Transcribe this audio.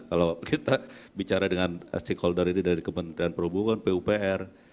kalau kita bicara dengan stakeholder ini dari kementerian perhubungan pupr